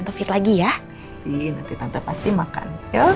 oh berikutnya ahoraan